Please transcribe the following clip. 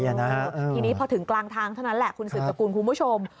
ยังไงทีนี้พอถึงกลางทางเท่านั้นแหละคุณสืบสกุลคุณผู้ชม